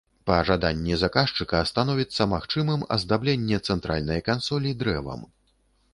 Па жаданні заказчыка становіцца магчымым аздабленне цэнтральнай кансолі дрэвам.